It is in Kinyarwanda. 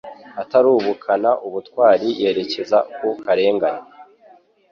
atarubukana ubutwari yerekeza ku karengane,